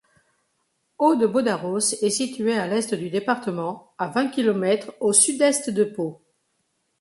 Haut-de-Bosdarros est située à l'est du département, à vingt kilomètres au sud-est de Pau.